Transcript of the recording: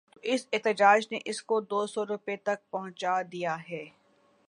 تو اس احتجاج نے اس کو دوسو روپے تک پہنچا دیا ہے۔